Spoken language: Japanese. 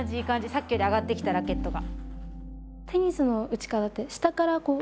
さっきより上がってきたラケットが。